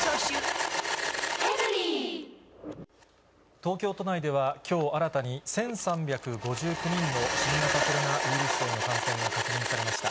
東京都内では、きょう新たに、１３５９人の新型コロナウイルスへの感染が確認されました。